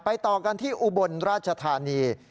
ต่อกันที่อุบลราชธานี